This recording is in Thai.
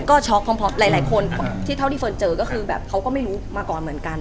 ก็ช็อกพร้อมหลายคนที่เท่าที่เฟิร์นเจอก็คือแบบเขาก็ไม่รู้มาก่อนเหมือนกัน